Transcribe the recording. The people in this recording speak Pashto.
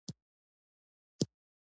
وروسته بیا ثابته پاتې شوې